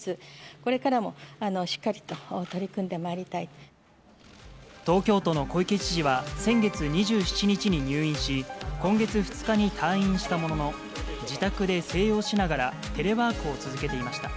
これからもしっかりと取り組んで東京都の小池知事は先月２７日に入院し、今月２日に退院したものの、自宅で静養しながら、テレワークを続けていました。